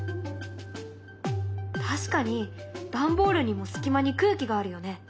確かに段ボールにも隙間に空気があるよね。